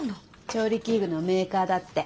調理器具のメーカーだって。